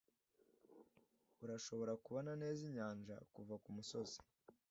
Urashobora kubona neza inyanja kuva kumusozi.